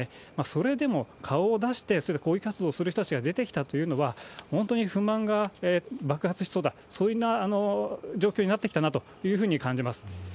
それでも顔を出して、そういう抗議活動をする人が出てきたというのは、本当に不満が爆発しそうだ、そういうような状況になってきたなというふうに感じます。